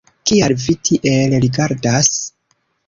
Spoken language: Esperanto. Kial vi tiel rigardas?